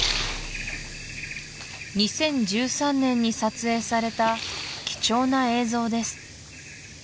２０１３年に撮影された貴重な映像です